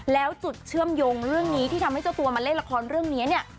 แล้วจุดเชื่อมโยงเรื่องนี้ที่ทำให้เจ้าตัวมาเล่นละครเรื่องนี้เนี่ย